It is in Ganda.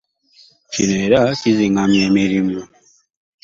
Kino era kiziŋŋamya emirimu.